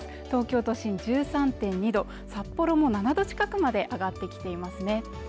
東京都心１３．２度札幌も７度近くまで上がってきていますね